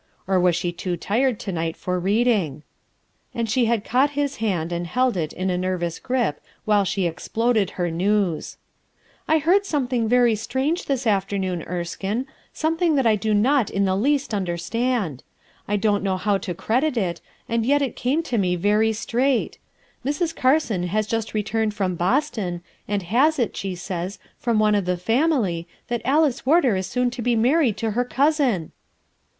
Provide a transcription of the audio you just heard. Or was she too tired to night for reading? And she had caught his hand and held it in a nervous grip while she exploded her news. "MOTHERS ARE QUEER r 91 "I heard something very strange thia a f tfcr . noon, Erskine; something that I do cot b the least understand. I don't know how to credit it, yet it came to me very straight. Mrs. Carson has just returned from Boston, and has it, she says, from one of the family that .Mice Warder is soon to be married to her cousin."